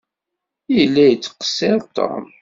Yella yettqeṣṣiṛ Tom?